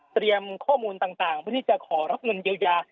ข้อมูลต่างเพื่อที่จะขอรับเงินเยียวยา